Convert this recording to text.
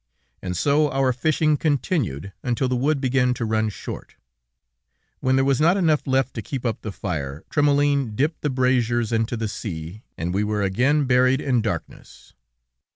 And so our fishing continued until the wood began to run short. When there was not enough left to keep up the fire, Trémoulin dipped the braziers into the sea, and we were again buried in darkness.